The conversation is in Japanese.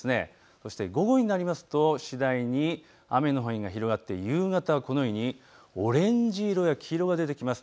そして午後になりますと次第に雨の範囲が広がって夕方はこのようにオレンジ色や黄色が出てきます。